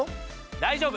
大丈夫！